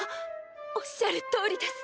おっしゃるとおりです。